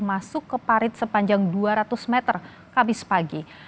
masuk ke parit sepanjang dua ratus meter kamis pagi